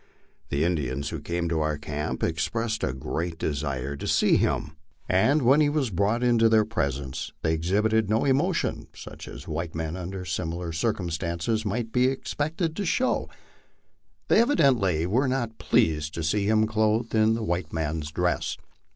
The Indians who came to our camp expressed a great desire to see him, and when he was brought into their presence they exhibited no emotion such as white men under similar circumstances might be expected to show MY LIFE ON THE PLAINS 25 They evidently were not pleased to see him clothed in the white man's dresa.